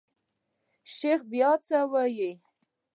شيخ بيا څه وويل.